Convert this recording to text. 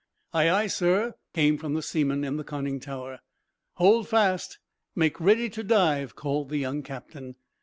"Aye, aye, sir," came from the seaman in the conning tower. "Hold fast! Make ready to dive!" called the young captain.